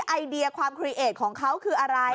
ไอเดียความครีเอทของเขาคืออะไร